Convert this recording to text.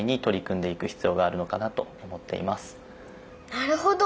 なるほど！